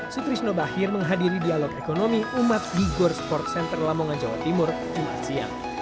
sutrisno bahir menghadiri dialog ekonomi umat di gor sports center lamongan jawa timur jumat siang